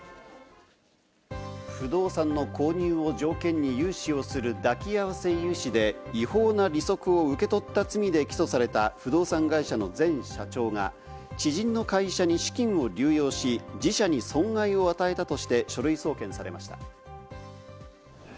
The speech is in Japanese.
不動産の購入を条件に融資をする抱き合わせ融資で違法な利息を受け取った罪で起訴された不動産会社の前社長が知人の会社に資金を流用し、自社に損害を与えたとして書類送検されました。